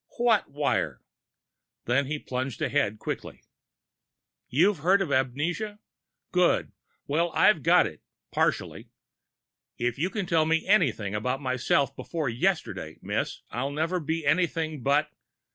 "What wire?" Then he plunged ahead, quickly. "You've heard of amnesia? Good. Well, I've got it partially. If you can tell me anything about myself before yesterday, Miss, I'll never be anything but...."